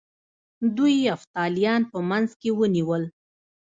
دوی یفتلیان په منځ کې ونیول